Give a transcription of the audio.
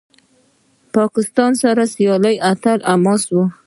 پاکستان سره سیالي تل حساسه وي.